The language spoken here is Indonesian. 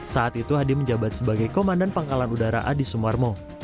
saat itu hadi menjabat sebagai komandan pangkalan udara adi sumarmo